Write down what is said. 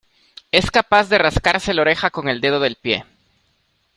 Es capaz de rascarse la oreja con el dedo del pie.